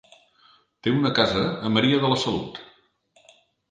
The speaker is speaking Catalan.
Té una casa a Maria de la Salut.